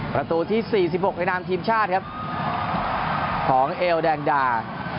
ประตูที่สี่สิบหกในนามทีมชาติครับของเอยวแดงดา